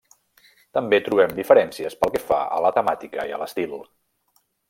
També trobam diferències pel que fa a la temàtica i a l'estil.